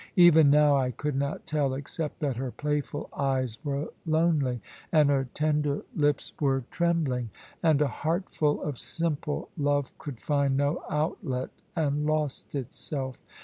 Even now I could not tell, except that her playful eyes were lonely, and her tender lips were trembling, and a heartful of simple love could find no outlet, and lost itself.